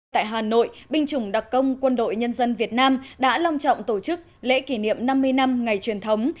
tại hà nội binh chủng đặc công quân đội nhân dân việt nam đã long trọng tổ chức lễ kỷ niệm năm mươi năm ngày truyền thống